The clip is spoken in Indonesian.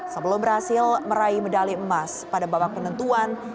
sebelum berhasil meraih medali emas pada babak penentuan